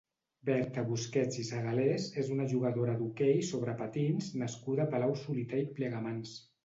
Berta Busquets i Segalés és una jugadora d'hoquei sobre patins nascuda a Palau-solità i Plegamans.